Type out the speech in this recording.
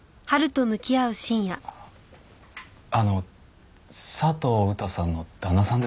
あの佐藤うたさんの旦那さんですよね？